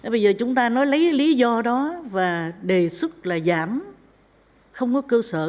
bây giờ chúng ta nói lấy lý do đó và đề xuất là giảm không có cơ sở